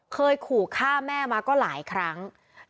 เคยขู่ฆ่าแม่มาก็หลายครั้ง